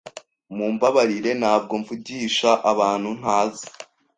Mumbabarire, ntabwo mvugisha abantu ntazi.